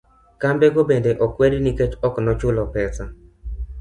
Kambe go bende okwed nikech oknochulo pesa